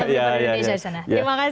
dan pemerintah indonesia sana